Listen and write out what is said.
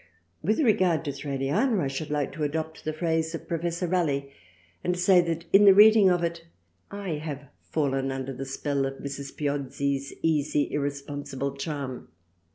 With regard to Thraliana I should like to adopt the phrase of Prof. Raleigh and to say that in the reading of it I have fallen under the spell of Mrs. Piozzi's easy irresponsible charm.